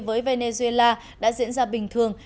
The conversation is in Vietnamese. với venezuela đã diễn ra bình thường